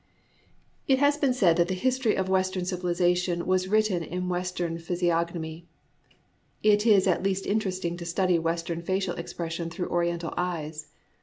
It has been said that the history of West ern civilization is written in Western physi ognomy. It is at least interesting to study Western facial expression through Oriental eyes.